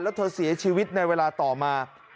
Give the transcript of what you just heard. แล้วเธอเสียชีวิตในเวลาต่อมา